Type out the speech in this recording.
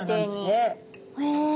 へえ。